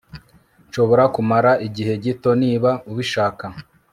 Nshobora kumara igihe gito niba ubishaka